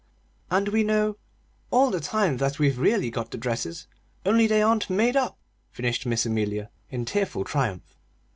"And we know all the time that we've really got the dresses, only they aren't made up!" finished Miss Amelia, in tearful triumph.